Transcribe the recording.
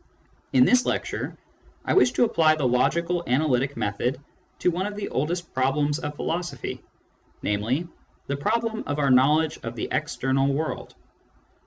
In this lecture, I wish to apply the logical analytic method to one of the oldest problems of philosophy, namely, the problem of our knowledge of the external world.